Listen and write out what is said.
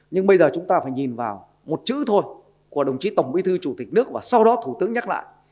nhưng bây giờ chúng ta phải nhìn vào một chữ thôi của đồng chí tổng bí thư chủ tịch nước và sau đó thủ tướng nhắc lại